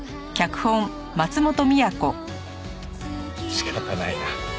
仕方ないな。